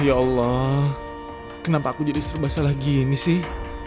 ya allah kenapa aku jadi serba salah gini sih